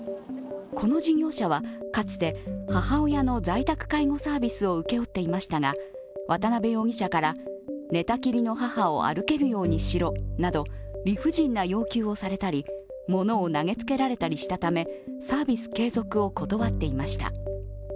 この事業者は、かつて母親の在宅介護サービスを請け負っていましたが渡辺容疑者から、寝たきりの母を歩けるようにしろなど理不尽な要求をされたり、ものを投げつけられたりしたためサービス継続を断っていました。